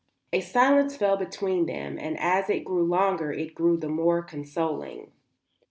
A silence fell between them, and as it grew longer it grew the more consoling.